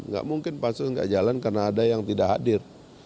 nggak mungkin pansus nggak jalan karena ada yang tidak hadir